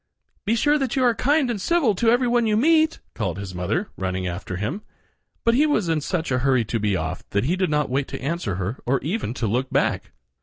"Be sure that you are kind and civil to every one you meet," called his mother, running after him; but he was in such a hurry to be off that he did not wait to answer her or even to look back.